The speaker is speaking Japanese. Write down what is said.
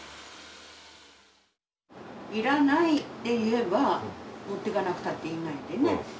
いらないって言えば持ってかなくたっていいがやでね。